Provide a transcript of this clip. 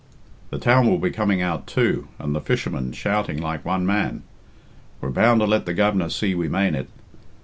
The town will be coming out too, and the fishermen shouting like one man. We're bound to let the Governor see we mane it.